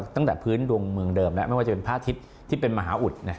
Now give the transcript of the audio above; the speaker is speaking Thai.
ตั้งแต่พื้นดวงเมืองเดิมแล้วไม่ว่าจะเป็นพระอาทิตย์ที่เป็นมหาอุด